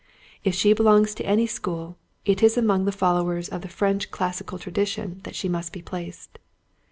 If she belongs to any school, it is among the followers of the French classical tradition that she must be placed.